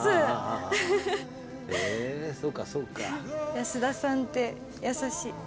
安田さんって優しい。